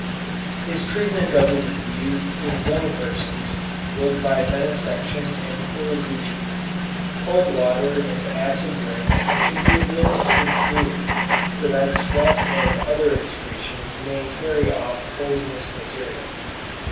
His treatment of the disease in young persons was by venesection and cool douches. Cold water and acid drinks should be administered freely, so that sweat and other excretions may carry off poisonous materials.